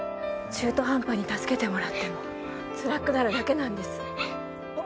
中途半端に助けてもらってもつらくなるだけなんです。